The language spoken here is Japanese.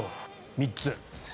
３つ。